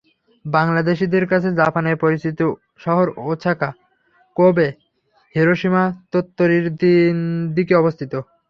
বাংলাদেশিদের কাছে জাপানের পরিচিত শহর ওসাকা, কোবে, হিরোশিমা তোত্তরির তিন দিকে অবস্থিত।